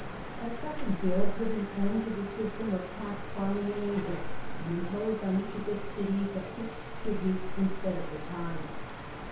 A second bill put an end to the system of tax farming in Asia, and imposed on each of its cities a fixed tribute, instead of the tithes.